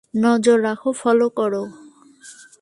নজর রাখো, ফলো করো।